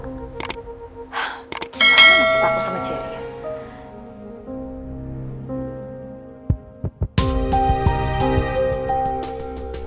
mana nasib aku sama jerry